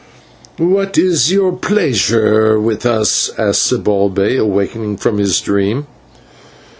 "What is your pleasure with us?" asked Zibalbay, awaking from his dream.